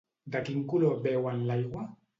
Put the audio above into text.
De quin color veuen l'aigua?